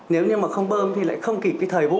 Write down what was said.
nếu như mà không bơm thì lại không kịp cái thời vụ